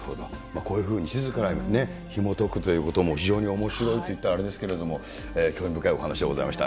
こういうふうに、地図からひもとくということも非常におもしろいといったらあれですけれども、興味深いお話でございました。